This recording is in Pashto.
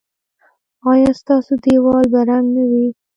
ایا ستاسو دیوال به رنګ نه وي؟